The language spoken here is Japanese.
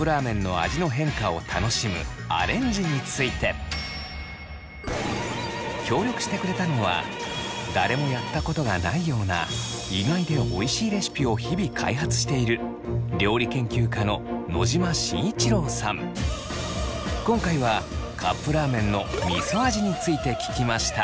最後のコーナーは協力してくれたのは誰もやったことがないような意外でおいしいレシピを日々開発している今回はカップラーメンのみそ味について聞きました。